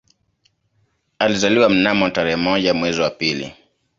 Alizaliwa mnamo tarehe moja mwezi wa pili